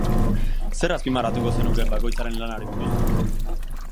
Zer azpimarratuko zenuke bakoitzaren lanari buruz?